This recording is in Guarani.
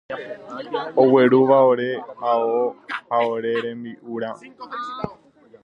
oguerúva oréve ore ao ha ore rembi'urã